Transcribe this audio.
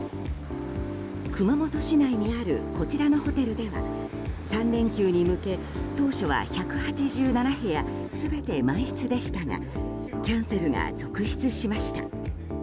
熊本市内にあるこちらのホテルでは３連休に向け、当初は１８７部屋全て満室でしたがキャンセルが続出しました。